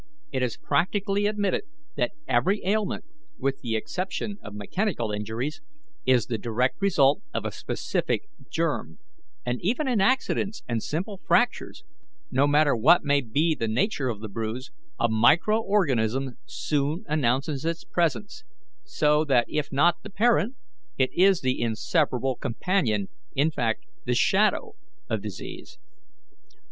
It is practically admitted that every ailment, with the exception of mechanical injuries, is the direct result of a specific germ; and even in accidents and simple fractures, no matter what may be the nature of the bruise, a micro organism soon announces its presence, so that if not the parent, it is the inseparable companion, in fact the shadow, of disease.